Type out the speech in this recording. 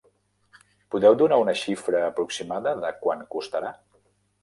Podeu donar una xifra aproximada de quant costarà?